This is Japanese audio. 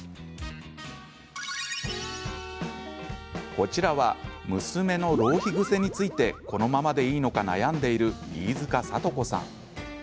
こちらは、娘の浪費癖についてこのままでいいのか悩んでいる飯塚聡子さん。